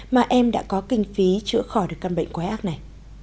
mà em đã có kinh phí chữa khỏi được căn bệnh quái ác này